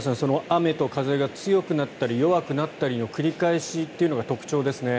雨と風が強くなったり弱くなったりを繰り返しというのが特徴ですね。